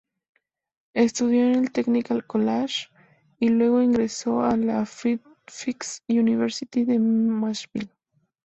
Estudió en el "Technical College" y luego ingresó en la "Fisk University" de Nashville.